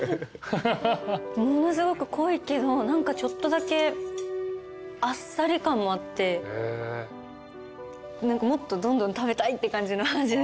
ものすごく濃いけど何かちょっとだけあっさり感もあって何かもっとどんどん食べたいって感じの味です。